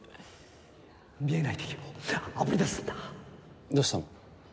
見えない敵を炙り出すんだどうしたの？